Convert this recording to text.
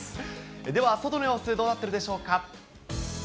では、外の様子どうなってるでしょうか。